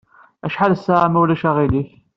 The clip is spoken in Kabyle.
Acḥal ssaɛa ma ulac-aɣilif?